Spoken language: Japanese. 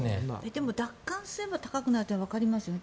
でも、奪還すれば高くなるというのはわかりますよね。